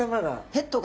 ヘッドが。